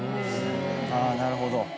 あなるほど。